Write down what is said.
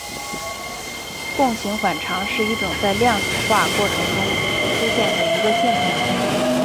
共形反常是一种在量子化过程中出现的一个现象。